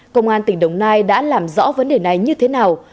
công an tỉnh đồng nai đã làm rõ vấn đề này như thế nào